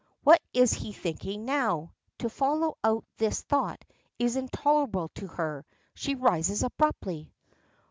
What is he thinking now? To follow out this thought is intolerable to her; she rises abruptly.